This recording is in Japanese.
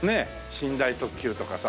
寝台特急とかさ。